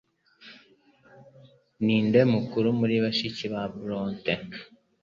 Ninde mukuru muri bashiki ba Bronte?